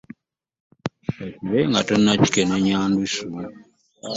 Totta Kibe, nga tonnakikenneenya ndusu.